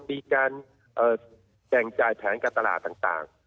มีการแจ่งจ่ายแผนการตลาดต่าง